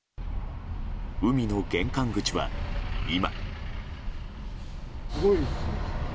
海の玄関口は、今。